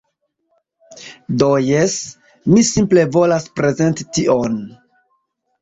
Do jes, mi simple volas prezenti tion.